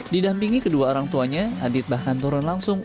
didampingi kedua orang tuanya adit bahkan turun langsung